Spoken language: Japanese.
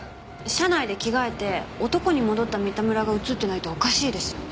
車内で着替えて男に戻った三田村が映ってないとおかしいですよね？